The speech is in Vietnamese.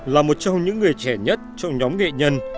là một trong những người trẻ nhất trong nhóm nghệ nhân